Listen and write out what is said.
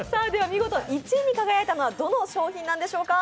見事、１位に輝いたのは、どの商品なんでしょうか。